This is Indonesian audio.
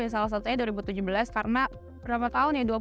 salah satunya dua ribu tujuh belas karena berapa tahun ya